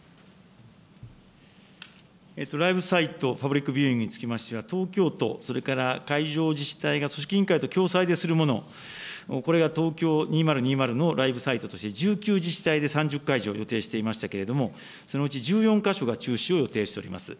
ライブサイト、パブリックビューイングにつきましては東京都、それから会場自治体が組織委員会と共催でするもの、これが東京２０２０のライブサイトとして１９自治体で３０回以上予定しておりましたけれども、そのうち１４か所が中止を予定しております。